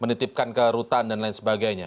menitipkan ke rutan dan lain sebagainya